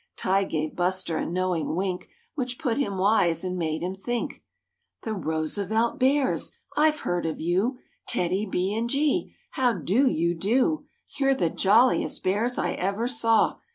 '' (Tige gave Buster a knowing wink Which put him wise and made him think.) " The Roosevelt Bears! I've heard of you; TEDDY B and G! How do you do! You're the jolliest bears I ever saw."